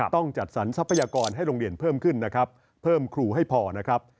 ต้องจัดสรรทรัพยากรให้โรงเรียนเพิ่มขึ้นนะครับเพิ่มครูให้พอนะครับ